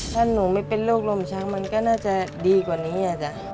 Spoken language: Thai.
ถ้าหนูไม่เป็นโรคลมชักมันก็น่าจะดีกว่านี้